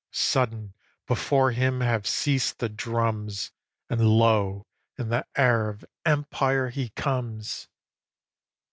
Sudden before him have ceas'd the drums, And lo! in the air of empire he comes!